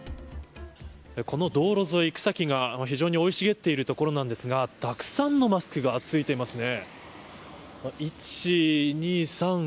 この道路沿い、草木が非常に生い茂っている所なんですがたくさんのマスクがついていますね。